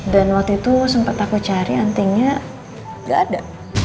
dan waktu itu sempet aku cari antingnya gak ada